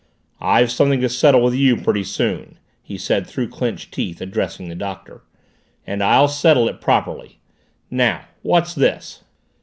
"I've something to settle with you pretty soon," he said through clenched teeth, addressing the Doctor. "And I'll settle it properly. Now what's this?"